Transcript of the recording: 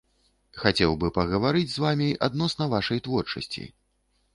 Хацеў бы пагаварыць з вамі адносна вашай творчасці.